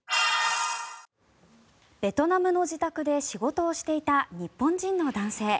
ベトナムの自宅で仕事をしていた日本人の男性。